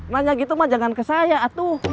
nanya gitu mah jangan ke saya atuh